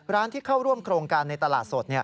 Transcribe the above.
ที่เข้าร่วมโครงการในตลาดสด